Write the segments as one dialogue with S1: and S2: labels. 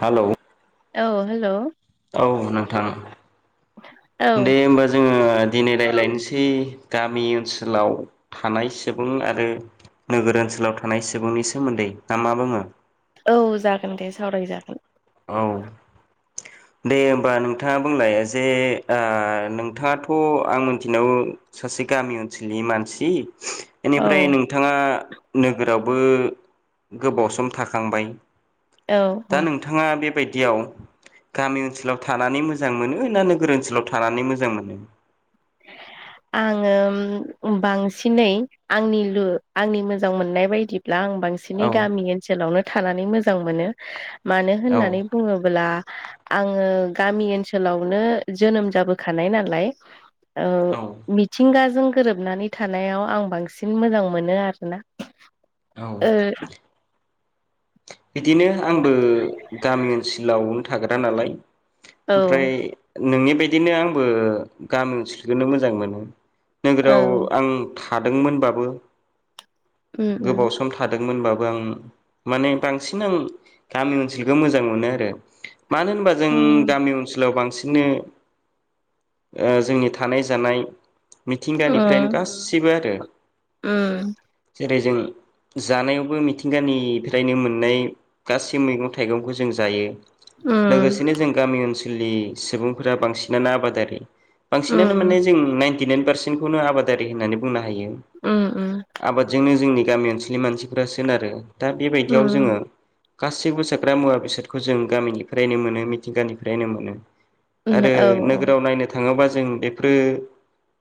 S1: Hello
S2: अ hello
S1: औ नोंथां दे
S2: औ
S1: होमबा जोङो ओ दिनै रायलायनसै गामि ओनसोलाव थानाय सोबुं आरो नोगोर ओनसोलाव थानाय सोबुंनि सोमोन्दै। ना मा बुङो?
S2: औ जागोन दे सावरायजागोन।
S1: औ दे होमबा नोंथाङा बुंलाय जे ओ नोंथाङाथ' आं मिथिनाव सासे गामि ओनसोलनि मानसि एनिफ्राय
S2: औ
S1: नोंथाङा नोगोराव बो गोबाव सम थाखांबाय
S2: औ
S1: दा
S2: औ
S1: नोंथाङा बेबायदि बिदियाव गामि ओनसोलाव थानानै मोजां मोनो ना नोगोर ओनसोलाव थानानै मोजां मोनो
S2: आङो बांसिनै आंनि लु आंनि मोजां मोननाय बायदि ब्ला आं बांसिनै
S1: औ
S2: गामि ओनसोलावनो थानानै मोजां मोनो मानो
S1: औ
S2: होननानै बुङोब्ला आङो गामि ओनसोलावनो जोनोम जाबोखानाय नालाय ओ
S1: औ
S2: मिथिंगाजों गोरोबनानै थानायाव आं बांसिन मोजां मोनो आरोना
S1: औ
S2: ओ
S1: बिदिनो आंबो गामि ओनसोलाव थाग्रा नालाय
S2: औ
S1: ओमफ्राय नोंनि बायदिनो आंबो गामि ओनसोलखौनो मोजां मोनो नोगोराव
S2: औ
S1: आं थादोंमोनबाबो
S2: उम
S1: गोबाव सम थादों मोनबो आं माने बांसिन आं गामि ओनसोलखौ मोजां मोनो आरो मानो होनबा जों
S2: उम
S1: गामि ओनसोलाव बांसिन बिदिनो जोंनि थानाय जानाय मिथिंगानिफ्रायनो गासिबो आरो
S2: ओम
S1: जेरै जों जानायावबो मिथिंगानिफ्रायनो मोनो नै गासै मैगं थाइगंखौ जों जायो
S2: उम
S1: लोगोसेनो जों गामि ओनसोल आनसोलनि सुबुंफोरा बांसिनानो आबादारि बांसिनानो
S2: उम
S1: माने जों न नाइन पारसेनखौनो आबादारि होननानै बुंनागोन
S2: उम उम
S1: आबादजोंनो जोंनि गामि ओनसोलनि मानसिफोरा सोनारो दा बे बेयाव
S2: उम
S1: जोङो गासैबो साग्रा मुवा बेसादखौ जों गामिनिफ्रायनो मोनो मिथिंगानिफ्रायनो मोनो
S2: उम
S1: आरो
S2: औ
S1: नोगोराव नायनो थाङोबा जों बेफोरो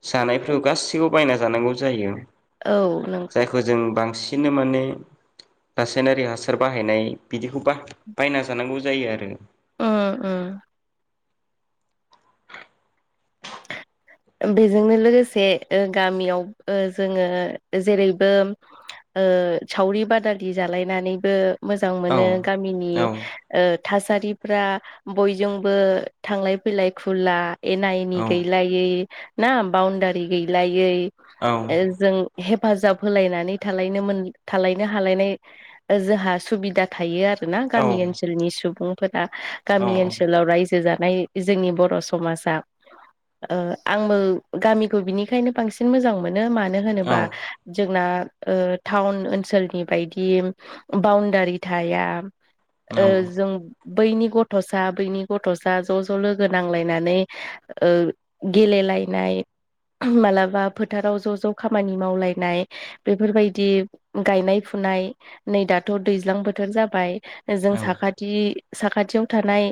S1: जानायफोराव गासिखौबो बायना जानांगौ जायो।
S2: औ नों
S1: जायखौ जों बांसिन बिनो माने गास सायनारि हासार बाहायनाय बिदिखौ बा बायना जानांगौ जायो आरो।
S2: उम उम बेजोंनो लोगोसे ओ गामियाव ओ जोङो जेरैबो ओ सावरि बादालि जालायनानैबो मोजां
S1: औ
S2: मोनो गामिनि
S1: औ
S2: ओ थासारिफ्रा बयजोंबो थांलाय फैलाय खुला एना एनि
S1: औ
S2: गैलायै ना बाउणडारि गैलायै
S1: औ
S2: ए जों हेब हेफाजाब होलायनानै थालायनो हालायनाय जोंहा सुबिदा थायो आरो। ना
S1: औ
S2: गामि ओनसोलनि सुबुं बा गामि ओनसोलाव रायजो जा नाय जोंनि बर' समाजा ओ आंबो गामिखौ बिनिखायनो बांसिन मोजां मोनो। मानो होनोबा जोंना ओ टाउन ओनसोलनि बायदि बाउणडारि थाया।
S1: औ
S2: ओ जों बैनि गथ'सा बैनि गथ'सा ज' ज' लोगो नांलायनानै ओ गेलेलायनाय मालाबा फोथाराव ज' ज' खामानि मावलायनाय बेफोरबायदि गायनाय फुनाय नै दाथ' दैज्लां बोथोर जाबाय
S1: औ
S2: जों साखाथि साखाथियाव थानाय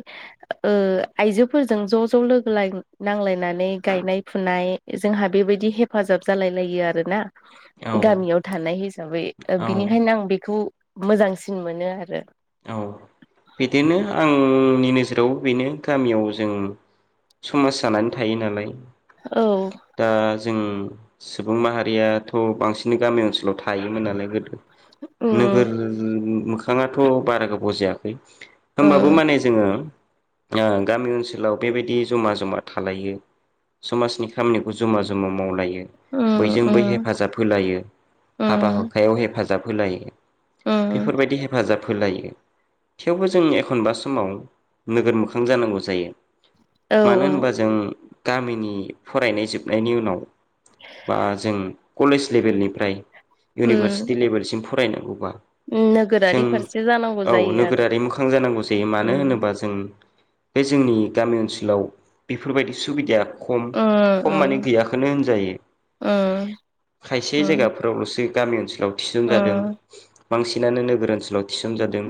S2: ओ आइजोफोरजों ज' ज' लोगोाय नांलायनानै नै गायनाय फुनाय जोंहा बेबायदि हेफाजाब जालाय लायो आरो ना। गामियाव थानाय हिसाबै ओ बिनिखायनो आं बेखौ मोजांसिन मोनो आरो।
S1: औ बिदिनो आं आंनि नोजोराव बेनो गामियाव जों समाज जानानै थायो नालाय
S2: औ
S1: दा जों सुबुं माहारियाथ' बांसिनै गामि ओनसो लाव थायोमोन नालाय गोदो
S2: उम
S1: नोगोर मोखा खां थ' बारा गोबाव जायाखै होमबाबो
S2: उम
S1: माने जोङो ओ गामि ओनसोलाव बेबायदि जमा जमा थालायो समाजनि खामनिखौ जमा जमा मावलायो
S2: उम
S1: बयजोंबोै
S2: उम
S1: हेफाजाब होलायो हाबा
S2: उम
S1: हुखायाव हेफाजाब होलायो।
S2: उम
S1: बेफोरबायदि हे फाजाब होलायो थेवबो जों एखनबा समाव नोगोर मोखां जानांगौ जायो।
S2: औ
S1: मानो होनबा जों गामिनि फरायनाय जोबनायनि उनाव बा जों कलेज लेभेलनिफ्राय
S2: उम
S1: इउनिभारसिटि लेभेलसिम फ फरायनांगौबा
S2: नोगोरारि
S1: जों
S2: फारसे जानांगौ
S1: औ
S2: जायो आरो
S1: नोगोरारि मोखां जानांगौ जायो
S2: ओ
S1: मानो होनोबा जों बे जोंनि गामि ओनसोलाव बिफोरबायदि सुबिदाया खम
S2: ओ
S1: खम माने गैयाखोनो होनजायो
S2: ओ
S1: खायसे जायगाफोरावल'सो गामि ओनसोलाव थिसुन जादों। बांसिनानो नोगोर ओनसोलाव थिसन जादों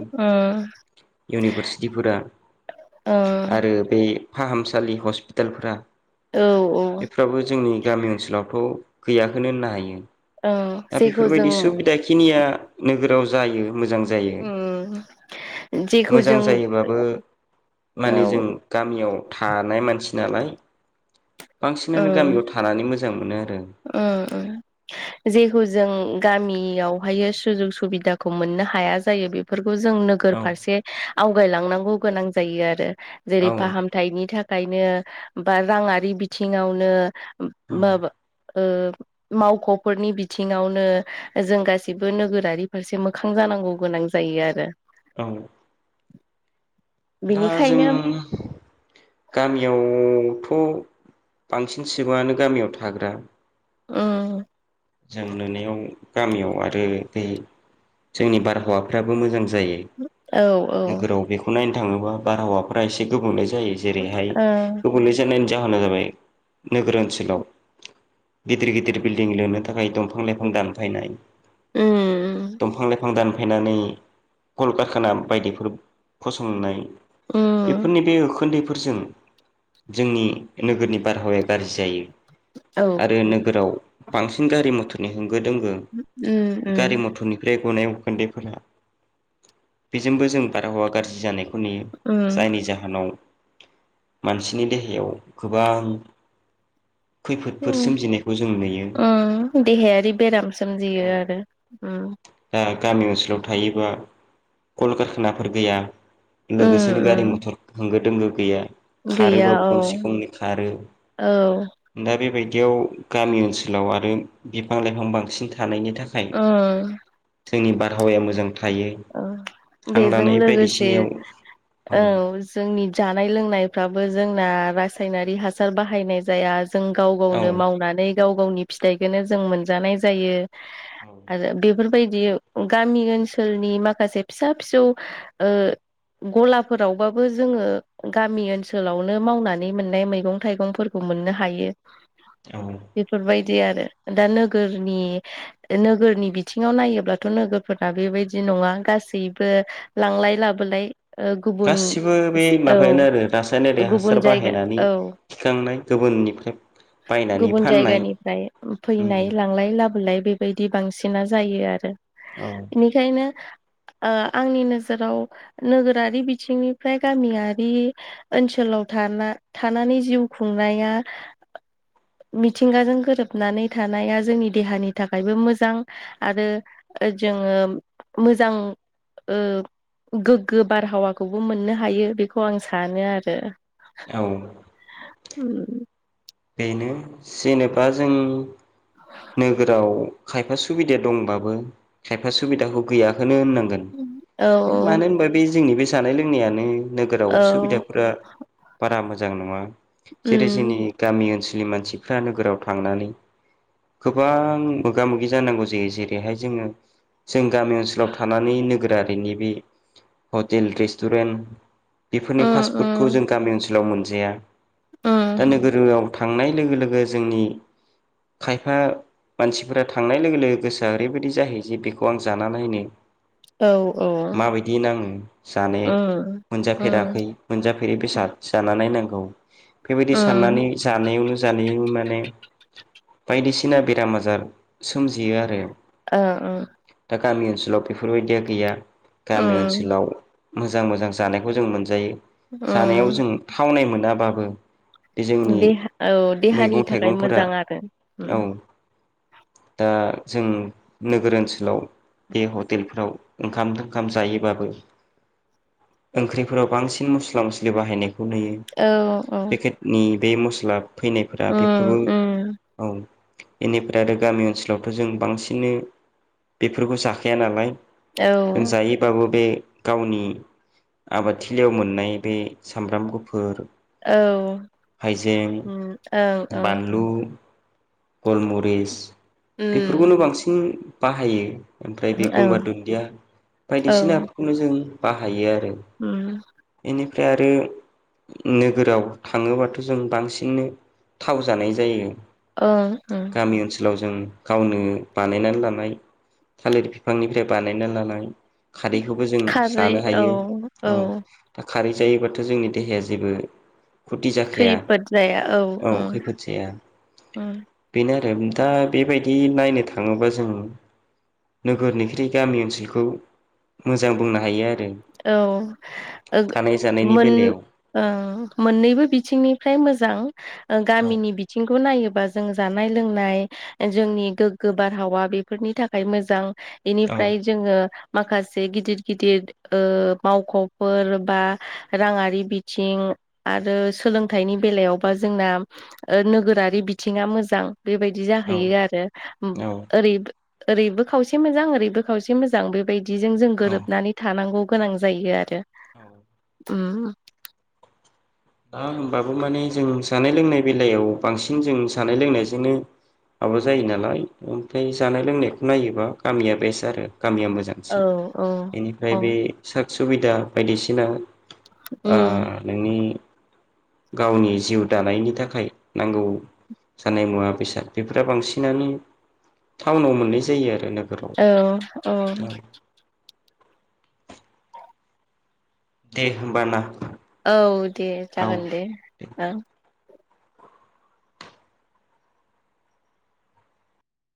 S1: इउनिभारसिटिफोरा आरो बे फाहामसालि हस्पि टालफोरा बेफ्राबो जोंनि गामि ओनसोलावथ' गैयाखोनो होननो हायो।
S2: ओ
S1: दा
S2: जेखौ जों
S1: बेफोरबायदि सुबिदा खिनिया नोगोराव जायो मोजां जायो
S2: उम जेखौ
S1: मोजां
S2: जों
S1: जायोब्लाबो
S2: औ
S1: माने जों गामियाव थानाय मानसि नालाय बांसिनानो गामियाव थानानै मोज जां मोनो आर
S2: उम उम जेखौ जों गामियावहाय सुजुग सुबिदाखौ मोननो हाया जायो बेफोर खौ जों नोगोर
S1: औ
S2: फारसे आवगायलांनांगौ गोनां जायो आरो। जेरै
S1: औ
S2: फाहामथायनि था खायनो बा राङारि बिथिङावनो
S1: औ
S2: माबा ओ मावख'फोरनि बिथिङावनो जों गासिबो नोगोरारि फारसे मोखां जानांगौ गोनां जायो आरो।
S1: औ दा जों
S2: बेनिखायनो
S1: गामियाव थ' बांसिन सिबुङानो गामियाव थाग्रा।
S2: उम
S1: जों नोनायाव गामियाव आरो दै जोंनि बारहावाफ्राबो मोजां जायो
S2: औ औ
S1: नोगोराव बेखौ नाय थाङोबा बारहावाफोरा एसे गोबुंले जायो जेरैहाय
S2: ओ
S1: गोबुंले जनायनि जाहोना जाबाय नोगोर ओनसोलाव गिदिर गिदिर बिल्डिं लोनो थाखाय दंफां लाइफां दानफायनाय।
S2: उम
S1: दंफां लाइफां दान फायनानै कलकारखाना बायदिफोर फसंनाय
S2: उम
S1: बेफोरनि बे ओखोनदै फोरजों जोंनि नोगोरनि बारहावाया गारजि जायो
S2: औ
S1: आरो नोगोराव बांसि सिन गारि मथरनि हों गो दोंगो
S2: उम
S1: बे गारि
S2: उम
S1: मथरनिफ्राय गनाय उखुनदैफोरा बेजोंबो जों बारहावा गारजि जानाय फोरनि
S2: उम
S1: जायनि जाहोनाव मानसिनि देहायाव गोबां खैफोदफोर
S2: उम
S1: सोमजिनायखौ जों नुयो।
S2: उम देहायारि बेराम सोमजियो आरो उम
S1: दा गामि ओनसोलाव थायोबा कलकारखानाफोर गैया
S2: उम
S1: लोगोसेनो गारि मथर
S2: उम
S1: होंगो दोंगो गैया।
S2: गैया
S1: खारोबा
S2: औ
S1: गंसे गंनै खारो।
S2: औ
S1: दा बेबाय दियाव गामि ओनसोलाव आरो बिफां लाइफां बांसिन था थानायनि थाखाय जोंनि बारहावाया मोजां थायो
S2: ओ
S1: हां
S2: बेजों
S1: लानाय
S2: लोगोसे
S1: बायदिसिनायाव
S2: औ जोंनि जानाय लोंनायफ्रा बो जोंना रासायनारि हासार बाहायनाय जाया। जों गाव
S1: औ
S2: गावनो मावनानै गाव गावनि फिथाइखौनो जों मोनजानाय जायो। आरो बेफोर बायदि गामि ओनसोल नि माखासे फिसा फिसौ ओ गलाफोरावबाबो जोङो गामि ओनसोलावनो मावनानै मोननाय मैगं थाइगंफोरखौ मोननो हायो।
S1: औ
S2: बिदि आरो दा नोगोरनि नोगोरनि बिथिङाव नायोब्लाथ' नोगोरफोरना बेबायदि बिदि नङा गासैबो लांलाय लाबोलाय ओ गुबुन
S1: गासिबो बे
S2: औ
S1: माबायानो आरो रासायनारि
S2: गुबुन
S1: हासार
S2: जायगा
S1: बाहायनानै
S2: औ
S1: थिखांनाय गुबुननिफ्राय बायनानै
S2: गुबुन
S1: फाननाय ओम
S2: लाय बेबायदि बांसिना जायो आरो
S1: औ
S2: बिदिनो ओ आंनि नोजोराव नोगोरारि बिथिंनिफ्राय गामियारि ओनसोलाव थाना थानानै जिउ खुंनाया मिथिंगाजों गोरोबनानै थानाया जोंनि देहानि थाखायबो मोजां आरो जोङो मोजां ओ गोग्गो बारहावाखौबो मोननो हायो बेखौ आं सानो आरो
S1: औ
S2: ओम
S1: बेनो जेनेबा जों नोगोराव खायफा सुबिदा दंबाबो खायफा सुबिदाखौ गैयाखौनो होननां गोन
S2: औ
S1: मानो होना बे जोंनि बै जानाय लोंनायानो नोगोराव
S2: औ
S1: सुबिदाफोरा बारा मोजां मोजां नङा जेरै
S2: उम
S1: जोंनि गामि ओनसोलनि मानसिफ्रा नोगोराव थांनानै गोबां मोगा मोगि जानांगौ जायो जेरैहाय जोङो जों गामि ओनसोलाव थानानै नोगोरारिनि बे हटेल रेस्टुरेन्ट बेफोरनि
S2: उम उम
S1: फास्टफुटखौ जों गामि ओनसोल ओनसोलाव मोनजाया
S2: उम
S1: दा गो आव थांनाय लोगो लोगो जोंनि खायफा मानसिफोरा थांनाय लोगो लोगो गोसोआ ओरैबायदि जाहैयो जे बेखौ आं जानानै नायनो
S2: औ औ
S1: माबायदि नाङो जानो
S2: उम उम
S1: मोनजाफेराखै मोनजाफेरै बेसाद जानानै नांगौ औ बेबायदि
S2: उम
S1: साननानै जानायावनो जानाय माने बायदिसिना बेराम आजार सोमजियो आरो
S2: ओ ओ
S1: दा गामि ओनसोलाव बेफोरबायदिया गैया गामि
S2: उम
S1: ओनसोलाव मोजां मोजां जानायखौ जों मोनजायो जानायाव
S2: उम
S1: जों थावनाय मोनो। मोनाबाबो बे जोंनि
S2: देहा औ देहानि
S1: मैगं
S2: थाखाय
S1: थाइगंफोरा
S2: मोजां आरो उम
S1: औ दा जों नोगोर ओनसोलाव बे हटेलफोराव ओंखाम थोंखाम जायोबाबो ओंख्रिफोराव बांसिन मस्ला मस्लि बाहायनाय खौ नुयो
S2: औ औ
S1: पेकेटनि बे मुस लाब फैनायफोरा बेफोरबो
S2: उम उम
S1: औ बेनिफ्राय आरो गामि ओनसोलावथ' जों बांसिनो बेफोरखौ जाखाया नालाय जों
S2: औ
S1: जायोबाबो बे गावनि आबादथिलियाव मोननाय बे सामब्राम गुफोर
S2: औ
S1: जें
S2: उम ओं ओं
S1: बानलु गलमरिस
S2: उम
S1: बेफोरखौनो बांसिन बाहायो। ओमफ्राय बे
S2: ओं
S1: गंगार दुन्दिया
S2: औ
S1: बायदिसिना फोरखौनो जों बाहायो आरो।
S2: उम
S1: निफ्राय आरो नोगोराव थाङोबाथ' जों बांसिननो थाव जानाय जायो।
S2: ओं ओं
S1: गामि ओनसोलाव जों गावनो बानायनानै लानाय थालिर फिफांनिफ्राय बानायना लानाय खारैखौबो जों
S2: खारै
S1: जानो
S2: औ
S1: हायो औ। दा खारै जायोबाथ' जोंनि देहाया जेबो खथि जाखाया
S2: खैफोद जाया औ ओ
S1: खैफोद जाया
S2: ओ
S1: बेनो आरो दा बेबायदि नायनो थाङोबा जों नोगोरनिख्रोय गामि ओनसोलखौ मोजां बोंनो हायो आर
S2: औ ओ
S1: जानायनि
S2: मोन
S1: बेलायाव
S2: ओं मोननैबो बिथिंनिफ्राय मोजां। ओ
S1: औ
S2: गामिनि बिथिंखौ नायोबा जों जान नाय लोंनाय जोंनि गोग्गो बारहावा बेफोरनि थाखाय मोजां।
S1: औ
S2: एनिफ्राय जोङो माखासे गिदिर गिदिर ओ मावख'फोर बा राङारि बिथिं आरो सोलोंथाइनि बेलायावबा जोंना ओ नोगोरारि बिथिङा मोजां। बेबायदि
S1: औ
S2: जाहैयो आरो उम
S1: औ
S2: ओरैबो ओरैबो खावसे मोजां ओरैबो खावसे मोजां बेबाय दिजों जों गोरोबनानै थानांगौ गोनां जायो आरो
S1: औ
S2: उम
S1: दा होनबाबो माने जों जानाय-लोंनाय बेलायाव बांसिन जों जानाय लोंनायजोंनो माबा जायो नालाय ओमफ्राय जानाय लोंनायखौ नायोबा गामिया बेस्ट आरो गामिया
S2: औ
S1: मोजांसिन बेनिफ्राय
S2: औ
S1: बे सो सुबिदा बायदिसिना ओ
S2: उम
S1: नोंनि गावनि जिउ दानायनि थाखाय नांगौ जानाय मुवा बेसाद बेफोरा बांसिनानो टाउनाव मोननाय जायो आरो नोगोराव
S2: औ औ
S1: दे होमबा ना ।
S2: औ दे जागोन दे औ